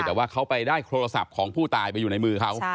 แต่ว่าเขาไปได้โทรศัพท์ของผู้ตายไปอยู่ในมือเขา